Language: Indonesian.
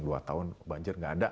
dua tahun banjir nggak ada